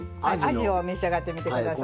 あじを召し上がってみて下さい。